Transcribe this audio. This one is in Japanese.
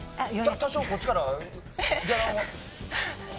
多少こっちからギャラは。